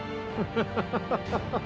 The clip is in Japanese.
ハハハハ。